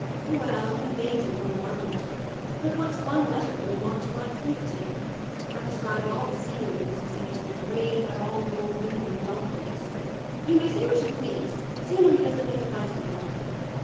"Well, he may do for one letter, but what's one letter when you want to write fifty? I've described all the scenery in this vicinity and raved about all the old women and donkeys. You may say what you please, scenery doesn't make a vital letter.